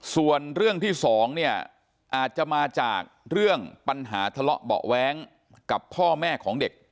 ส่วนเรื่องที่สองเนี่ยอาจจะมาจากเรื่องปัญหาทะเลาะเบาะแว้งกับพ่อแม่ของเด็ก